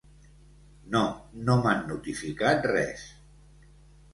No, no m’han notificat res.